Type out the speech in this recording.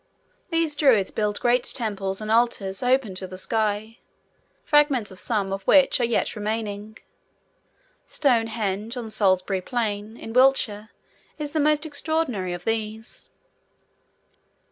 These Druids built great Temples and altars, open to the sky, fragments of some of which are yet remaining. Stonehenge, on Salisbury Plain, in Wiltshire, is the most extraordinary of these.